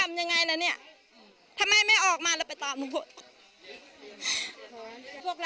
ก็อยู่ด้วยกันมากก็ไม่คิดว่าเขาจะไปปากรูปตีหลังกาแบบนี้นะถ้าอยากอยู่กันต่อไปก็ให้ออกมาวันนี้เลยในนิดนึงนะครับ